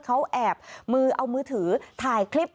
เขาแอบมือเอามือถือถ่ายคลิป